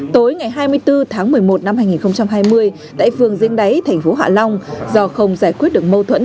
tối ngày hai mươi bốn tháng một mươi một năm hai nghìn hai mươi tại phường dính đáy tp hạ long do không giải quyết được mâu thuẫn